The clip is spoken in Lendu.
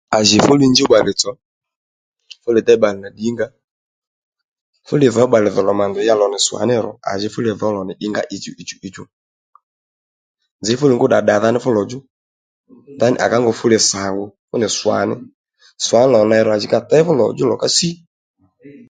À jì fú li njúw bbalè tsò fú li déy bbalè nà ddǐnga fú li dhǒ bbalè dho lòmà ndè ya lò nì swà ní ró à ji fúli dhǒw lò nì ingá ǐ chúchú nzǐ fú li ngú dda ddadhà ní fu lò djú ndaní à ká ngu fú li swa fú nì swaní ní lò nì ney ro à jì katěy fú lò djú lò ka sí